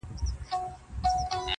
دا کيسه د انسانيت د سقوط ژور انځور دی,